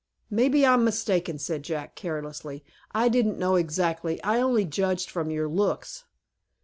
"Maybe I'm mistaken," said Jack, carelessly. "I didn't know exactly. I only judged from your looks."